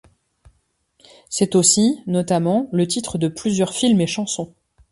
C'est aussi, notamment, le titre de plusieurs films et chansons.